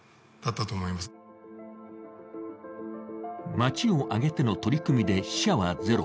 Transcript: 町を挙げての取り組みで死者はゼロ。